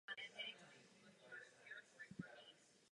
Moje skupina takové strategie odmítá.